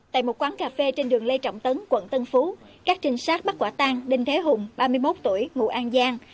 tại một quán cà phê trên đường lê trọng tấn quận tân phú các trinh sát bắt quả tang đinh thế hùng ba mươi một tuổi ngụ an giang